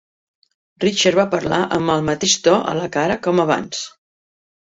Richard va parlar amb el mateix to a la cara com abans.